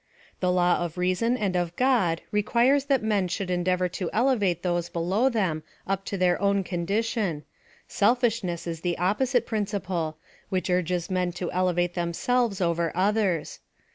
The law of reason and of God requires that men should endeavor to elevate those below them up to their own condition — self ishness is the opposite principle, which urges men to elevate themselves over others.